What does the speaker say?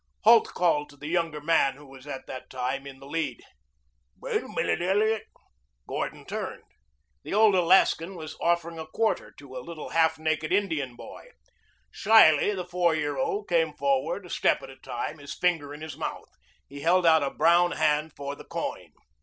Holt called to the younger man, who was at the time in the lead. "Wait a minute, Elliot." Gordon turned. The old Alaskan was offering a quarter to a little half naked Indian boy. Shyly the four year old came forward, a step at a time, his finger in his mouth. He held out a brown hand for the coin.